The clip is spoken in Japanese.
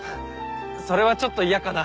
それはちょっと嫌かな。